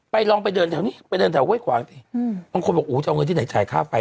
ลองไปเดินแถวนี้ไปเดินแถวห้วยขวางสิบางคนบอกอู๋จะเอาเงินที่ไหนจ่ายค่าไฟ